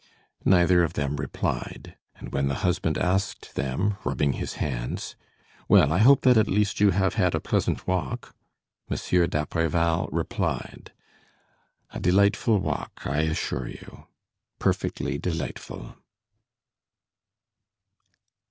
Neither of them replied, and when the husband asked them, rubbing his hands: "Well, I hope that, at least, you have had a pleasant walk?" Monsieur d'Apreval replied: "A delightful walk, I assure you; perfectly delightful."